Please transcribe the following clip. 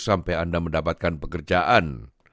sampai anda mendapatkan pekerjaan